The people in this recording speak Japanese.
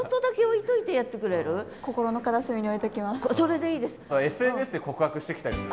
それでいいです。